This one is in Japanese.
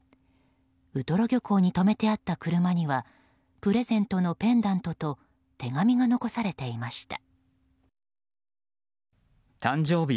ウトロ漁港に止めてあった車にはプレゼントのペンダントと手紙が残されていました。